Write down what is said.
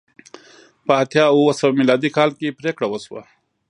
په اتیا اوه سوه میلادي کال کې پرېکړه وشوه